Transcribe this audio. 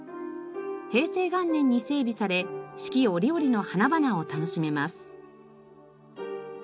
平成元年に整備され四季折々の花々を楽しめます。